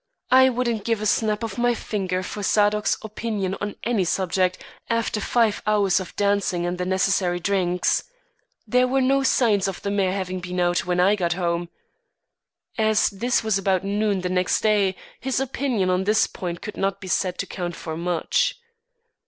"I wouldn't give a snap of my finger for Zadok's opinion on any subject, after five hours of dancing and the necessary drinks. There were no signs of the mare having been out when I got home." As this was about noon the next day, his opinion on this point could not be said to count for much.